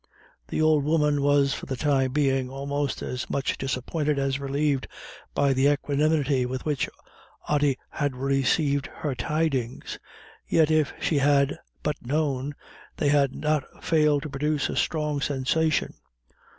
The old woman was for the time being almost as much disappointed as relieved by the equanimity with which Ody had received her tidings; yet if she had but known, they had not failed to produce a strong sensation.